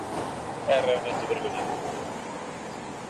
É realmente vergoñento.